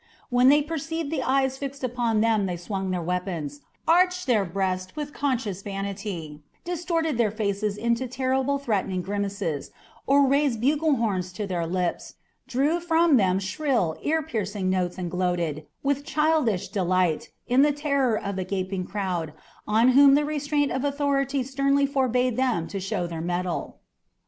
When they perceived the eyes fixed upon them they swung their weapons, arched their breasts with conscious vanity, distorted their faces into terrible threatening grimaces, or raised bugle horns to their lips, drew from them shrill, ear piercing notes and gloated, with childish delight, in the terror of the gaping crowd, on whom the restraint of authority sternly forbade them to show their mettle.